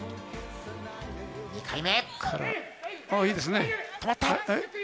２回目。